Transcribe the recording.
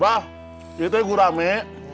bah itu gue rame